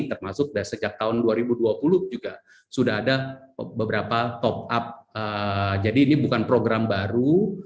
termasuk sejak tahun dua ribu dua puluh juga sudah ada beberapa top up jadi ini bukan program baru